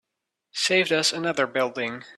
Saved us another building.